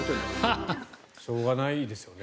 しょうがないですよね。